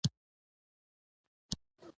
په هغه لوړ ځوړند کي